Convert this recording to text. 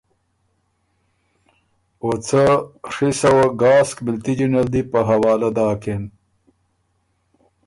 او څه ڒی سوه ګاسک مِلتجی نل دی په حوالۀ داکِن۔